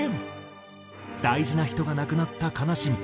大事な人が亡くなった悲しみ。